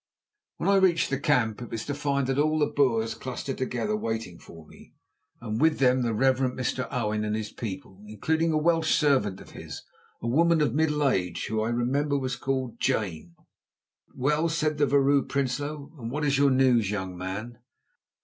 When I reached the camp it was to find all the Boers clustered together waiting for me, and with them the Reverend Mr. Owen and his people, including a Welsh servant of his, a woman of middle age who, I remember, was called Jane. "Well," said the Vrouw Prinsloo, "and what is your news, young man?"